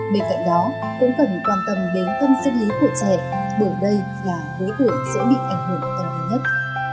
bên cạnh đó cũng cần quan tâm đến tâm sinh lý của trẻ bởi đây là lưới tuổi sẽ bị ảnh hưởng hơn nhất